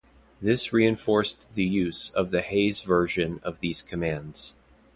This re-inforced the use of the Hayes versions of these commands.